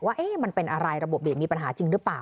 ว่ามันเป็นอะไรระบบเบียดมีปัญหาจริงหรือเปล่า